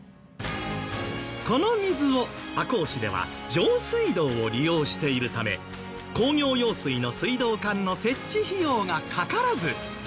この水を赤穂市では上水道を利用しているため工業用水の水道管の設置費用がかからず。